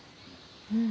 うん。